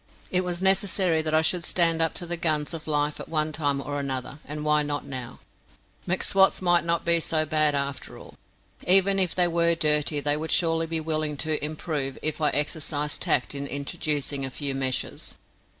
It was necessary that I should stand up to the guns of life at one time or another, and why not now? M'Swat's might not be so bad after all. Even if they were dirty, they would surely be willing to improve if I exercised tact in introducing a few measures.